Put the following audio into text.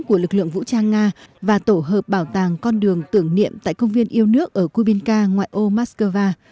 của lực lượng vũ trang nga và tổ hợp bảo tàng con đường tưởng niệm tại công viên yêu nước ở cupinca ngoại ô moscow